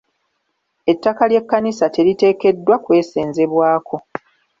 Ettaka ly'ekkanisa teriteekeddwa kwesenzebwako.